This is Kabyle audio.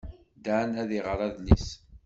Dan ad iɣer adlis.